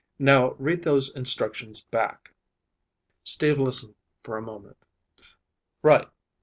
Now read those instructions back." Steve listened for a moment. "Right.